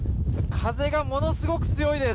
風がものすごく強いです。